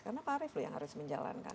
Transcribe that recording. karena pak arief yang harus menjalankan